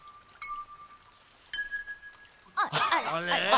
あれ？